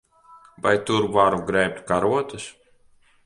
Vai tur varu grebt karotes?